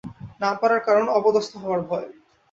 না পারার কারণ অপদস্থ হওয়ার ভয়।